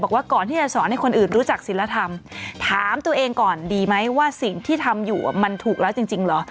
ก่อนที่จะสอนให้คนอื่นรู้จักศิลธรรมถามตัวเองก่อนดีไหมว่าสิ่งที่ทำอยู่มันถูกแล้วจริงเหรอ